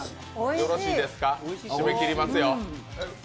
よろしいですか、締め切りますよ。